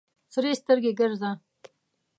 سرې سترګې ګرځه.